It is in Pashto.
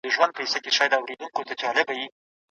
سپېڅلي خلګ لا ژونـدي دي